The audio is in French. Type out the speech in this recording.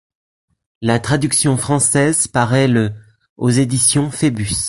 La traduction française paraît le aux éditions Phébus.